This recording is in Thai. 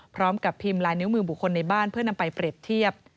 พร้อมกับพิมพ์ลายนิ้วมือบุคคลในบ้านเพื่อนำไปเปรียบเทียบ